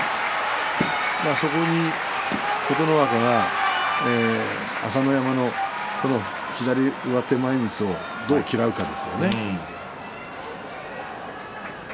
そこに琴ノ若が朝乃山の左上手前みつをどう嫌うかですね。